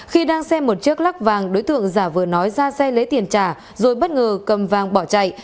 khi đang xem một chiếc lắc vàng đối tượng giả vừa nói ra xe lấy tiền trả rồi bất ngờ cầm vàng bỏ chạy